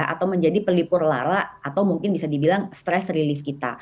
atau menjadi pelipur lala atau mungkin bisa dibilang stress relief kita